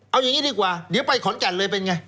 เอาอย่างนี้ดีกว่าเดี๋ยวไปขอนแก่นเลยเป็นไง